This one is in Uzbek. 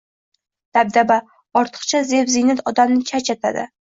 Dabdaba, ortiqcha zeb-ziynat odamni charchatadi.